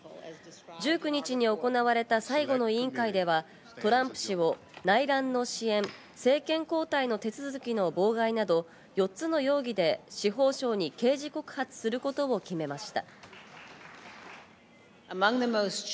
１９日に行われた最後の委員会では、トランプ氏を内乱の支援、政権交代の手続きの妨害など４つの容疑で司法省に刑事告発することを決めました。